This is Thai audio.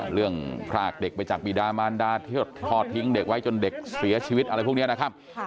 พรากเด็กไปจากบีดามานดาที่ทอดทิ้งเด็กไว้จนเด็กเสียชีวิตอะไรพวกนี้นะครับ